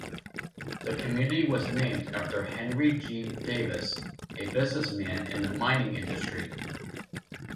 The community was named after Henry G. Davis, a businessman in the mining industry.